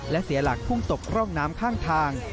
และเสียหลักพุ่งตกร่องน้ำข้างทาง